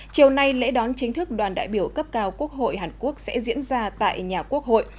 chiều nay lễ đón chính thức đoàn đại biểu cấp cao quốc hội hàn quốc sẽ diễn ra tại nhà quốc hội